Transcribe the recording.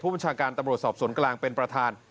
บัญชาการตำรวจสอบสวนกลางเป็นประธาน